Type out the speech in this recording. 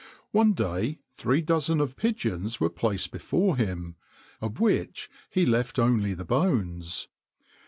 One day three dozen of pigeons were placed before him, of which he left only the bones.